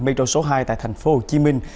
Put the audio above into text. metro số hai tại thành phố hồ chí minh